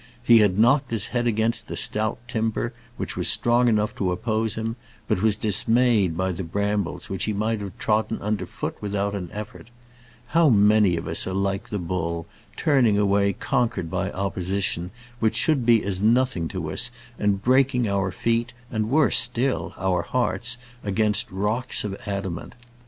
He had knocked his head against the stout timber, which was strong enough to oppose him, but was dismayed by the brambles which he might have trodden under foot without an effort. How many of us are like the bull, turning away conquered by opposition which should be as nothing to us, and breaking our feet, and worse still, our hearts, against rocks of adamant.